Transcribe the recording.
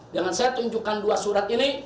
dengan saya tunjukkan dua surat ini